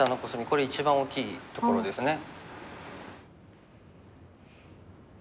これ一番大きいところですね。